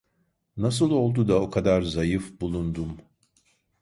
Nasıl oldu da o kadar zayıf bulundum…